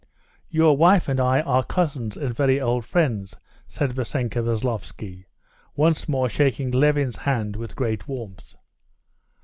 "Your wife and I are cousins and very old friends," said Vassenka Veslovsky, once more shaking Levin's hand with great warmth.